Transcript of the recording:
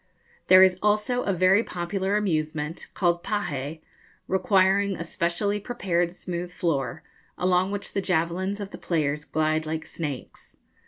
There is also a very popular amusement, called pahé, requiring a specially prepared smooth floor, along which the javelins of the players glide like snakes.